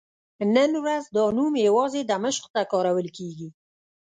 نن ورځ دا نوم یوازې دمشق ته کارول کېږي.